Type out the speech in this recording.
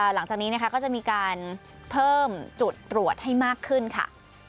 หลังจากนี้นะคะก็จะมีการเพิ่มจุดตรวจให้มากขึ้นค่ะ